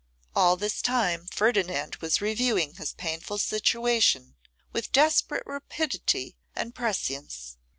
All this time Ferdinand was reviewing his painful situation with desperate rapidity and prescience.